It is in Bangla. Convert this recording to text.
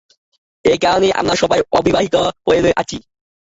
এ কারণেই আমরা সবাই অবিবাহিতই রয়ে আছি।